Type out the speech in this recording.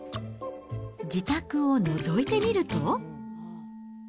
自宅をのぞいてみると。